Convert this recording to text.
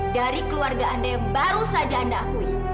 dari keluarga anda yang baru saja anda akui